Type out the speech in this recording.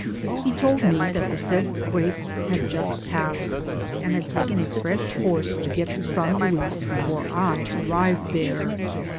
He told me that the said Juez had just passed, and had taken a fresh horse to get to San Luis before I arrived there.